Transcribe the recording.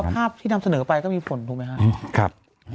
ภาพที่นำเสนอไปก็มีผลถูกไหมครับ